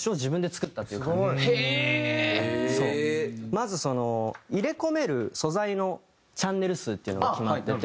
まず入れ込める素材のチャンネル数っていうのが決まってて。